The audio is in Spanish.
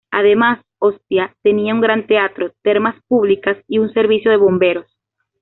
Además, Ostia tenía un gran teatro, termas públicas y un servicio de bomberos.